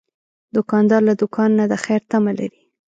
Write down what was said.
دوکاندار له دوکان نه د خیر تمه لري.